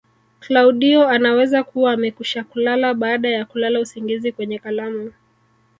Klaudio anaweza kuwa amekwisha kulala baada ya kulala usingizi kwenye kalamu